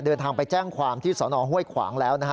เดินทางไปแจ้งความที่สนห้วยขวางแล้วนะฮะ